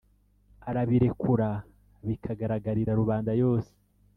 arabirekura bikagaragarira rubanda yose